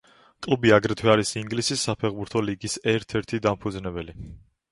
კლუბი აგრეთვე არის ინგლისის საფეხბურთო ლიგის ერთ-ერთი დამფუძნებელი.